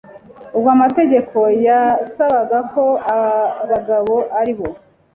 ubwo Amategeko yasabaga ko abagabo ari bo